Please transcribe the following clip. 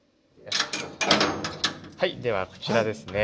はいではこちらですね。